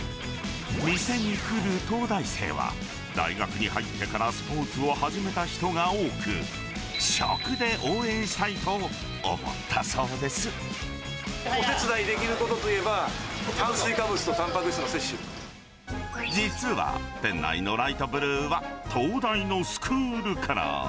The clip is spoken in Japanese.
店に来る東大生は、大学に入ってからスポーツを始めた人が多く、お手伝いできることといえば、実は、店内のライトブルーは、東大のスクールカラー。